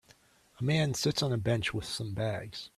A man sits on a bench with some bags.